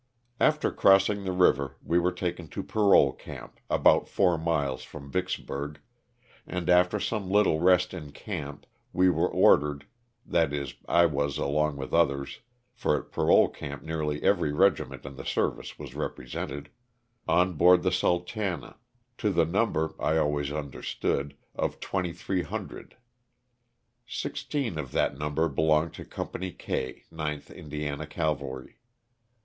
'' After crossing the river we were taken to parole camp, about four miles from Vicksburg, and after some little rest in camp we were ordered (that is I was along with others, for at parole camp nearly every regiment in the service was represented), on board the "Sultana," to the number (I always understood) of 2,300. Sixteen of that number belonged to Com pany K, 9th Indiana Cavalry.